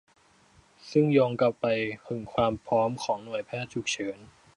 ซึ่งโยงกลับไปถึงความพร้อมของหน่วยแพทย์ฉุกเฉิน